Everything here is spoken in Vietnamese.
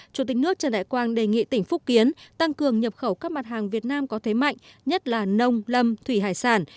chủ tịch nước trần đại quang đề nghị tỉnh phúc kiến tăng cường nhập khẩu các mặt hàng việt nam có thế mạnh nhất là nông lâm thủy hải sản